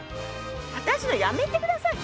私のやめて下さい。